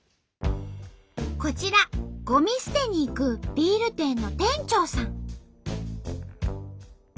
こちらゴミ捨てに行くビール店の店長さん。